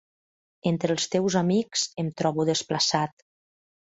Entre els teus amics em trobo desplaçat.